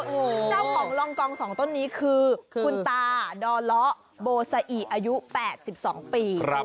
เจ้าของรองกองสองต้นนี้คือคุณตาดลบสออายุ๘๒ปี